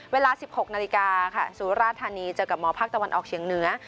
เวลา๑๖นาฬิกาค่ะสุราธานีเจอกับหมอภาคตะวันออกเฉียงเหนือ